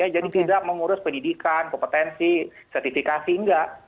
jadi tidak mengurus pendidikan kompetensi sertifikasi enggak